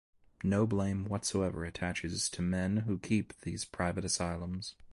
No blame whatsoever attaches to men who keep these private asylums.